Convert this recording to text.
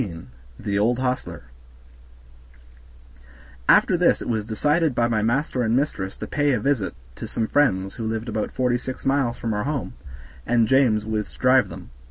15 The Old Hostler After this it was decided by my master and mistress to pay a visit to some friends who lived about forty six miles from our home, and James was to drive them.